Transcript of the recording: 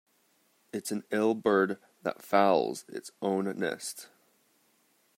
It's an ill bird that fouls its own nest.